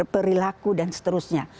perilaku dan seterusnya